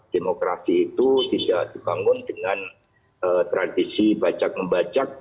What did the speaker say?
demokrasi itu tidak dibangun dengan tradisi bacak membacak